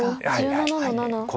黒１７の七。